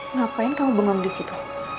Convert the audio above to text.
ngapain kamu bengong disitu